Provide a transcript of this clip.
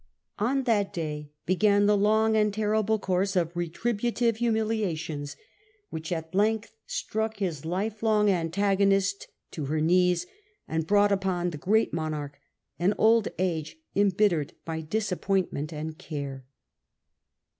On that day began the long and terrible course of retributive humiliations which at length struck his lifelong antagonist to her knees, and brought upon the Great Monarch an old age embittered by disappoint* ment and care.